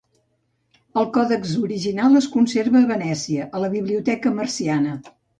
El còdex original es conserva a Venècia, a la Biblioteca Marciana.